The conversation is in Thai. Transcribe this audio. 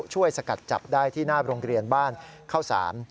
ช่วยสักตะจับได้ที่หน้าโรงเรียนบ้านเข้าศาล